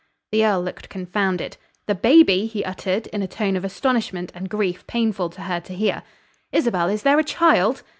The earl looked confounded. "The baby!" he uttered, in a tone of astonishment and grief painful to her to hear. "Isabel, is there a child?"